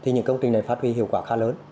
những công trình này phát huy hiệu quả khá lớn